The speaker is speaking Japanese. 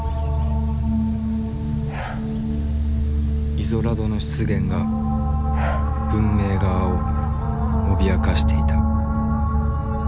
イゾラドの出現が文明側を脅かしていた。